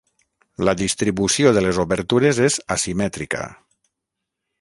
La distribució de les obertures és asimètrica.